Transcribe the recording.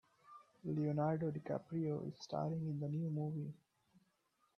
Leonardo DiCaprio is staring in the new movie.